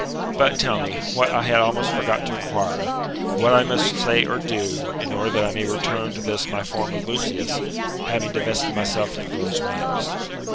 But, tell me, what I had almost forgot to inquire, what I muse say or do, in order that I may return to this my form of Lucius, having divested myself of those wings